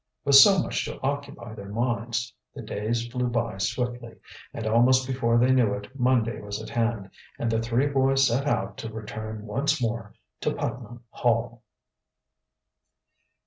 With so much to occupy their minds the days flew by swiftly, and almost before they knew it Monday was at hand, and the three boys set out to return once more to Putnam Hall.